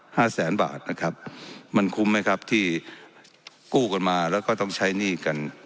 แสนบาทนะครับมันคุ้มไหมครับที่กู้กันมาแล้วก็ต้องใช้หนี้กัน